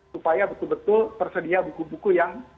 supaya betul betul tersedia buku buku yang